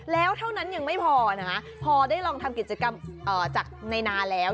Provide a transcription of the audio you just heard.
แล้วเท่านั้นยังไม่พอนะคะพอได้ลองทำกิจกรรมจากในนาแล้ว